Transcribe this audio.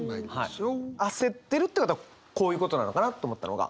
焦ってるってことはこういうことなのかなと思ったのが。